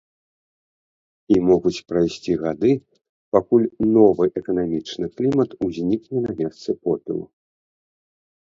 І могуць прайсці гады, пакуль новы эканамічны клімат узнікне на месцы попелу.